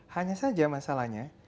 hanya saja masalahnya